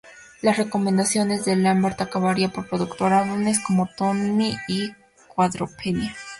La recomendación de Lambert acabaría por producir álbumes como "Tommy" y "Quadrophenia".